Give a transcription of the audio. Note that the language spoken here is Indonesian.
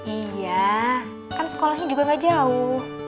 iya kan sekolahnya juga gak jauh